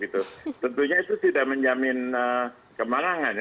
tentunya itu tidak menjamin kemenangan